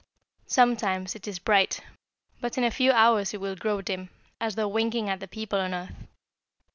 Sometimes it is bright, but in a few hours it will grow dim, as though winking at the people on earth.